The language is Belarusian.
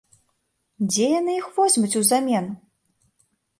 Дзе яны іх возьмуць узамен?